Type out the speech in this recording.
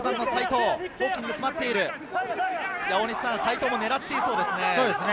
齋藤も狙っていそうですね。